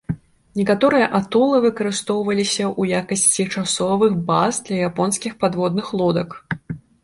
Некаторыя атолы выкарыстоўваліся ў якасці часовых баз для японскіх падводных лодак.